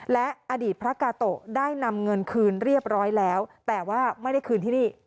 และอดีตพระกาโตะได้นำเงินคืนเรียบร้อยแล้วแต่ว่าไม่ได้คืนที่นี่